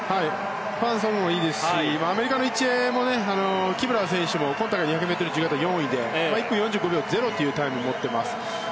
ファン・ソヌもいいですしアメリカの１泳もキブラー選手も２００ｍ自由形で４位で１分４５秒０というタイムを持っています。